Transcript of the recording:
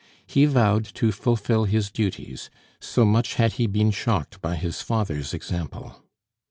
He vowed to fulfil his duties, so much had he been shocked by his father's example.